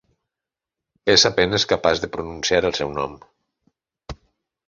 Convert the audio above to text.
És a penes capaç pronunciar el seu nom.